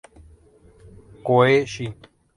Kohei Shin